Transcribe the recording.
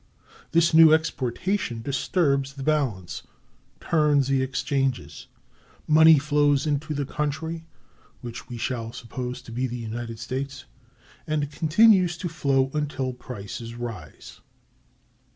This new exportation disturbs the balance, turns the exchanges, money flows into the country (which we shall suppose to be the United States), and continues to flow until prices rise.